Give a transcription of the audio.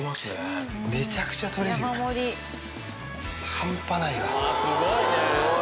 半端ない。